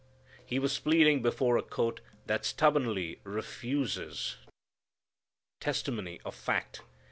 He was pleading before a court that stubbornly refuses testimony of fact.